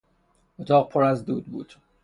اتاق پر از دود بود.